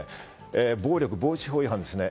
暴力防止法違反ですね。